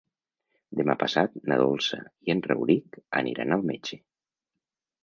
Demà passat na Dolça i en Rauric aniran al metge.